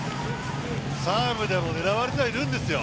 サーブでも狙われてはいるんですよ。